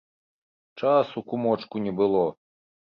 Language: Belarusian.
Часу, кумочку, не было.